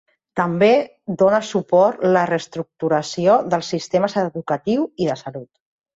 També dóna suport la reestructuració dels sistemes educatiu i de salut.